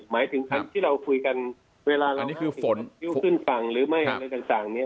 หมายถึงทั้งที่เราคุยกันเวลาเราอยู่ขึ้นฝั่งหรือไม่